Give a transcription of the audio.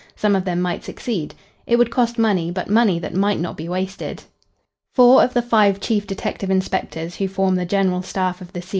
Some of them might succeed. It would cost money, but money that might not be wasted. Four of the five chief detective inspectors who form the general staff of the C.